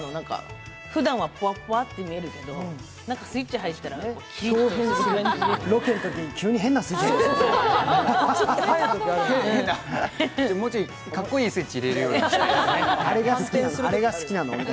ふだんはふわふわって見えるけどスイッチ入ったら急に変なスイッチはいることあるよね。